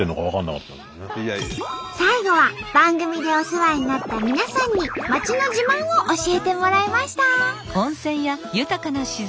最後は番組でお世話になった皆さんに町の自慢を教えてもらいました。